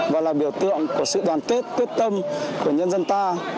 và là biểu tượng của sự đoàn tuyết tuyết tâm của nhân dân ta